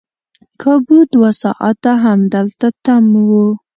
کابو دوه ساعته همدلته تم وو.